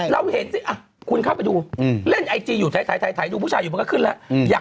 เราเห็นสิคุณเข้าไปดูเล่นไอจีอยู่ถ่ายดูผู้ชายอยู่มันก็ขึ้นแล้ว